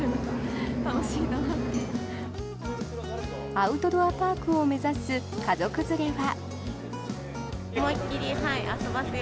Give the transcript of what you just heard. アウトドアパークを目指す家族連れは。